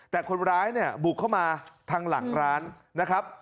แต่คนร้ายเนี่ยบุกเข้ามาทางหลังร้านนะครับ